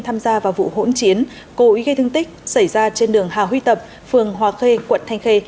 tham gia vào vụ hỗn chiến cố ý gây thương tích xảy ra trên đường hà huy tập phường hòa khê quận thanh khê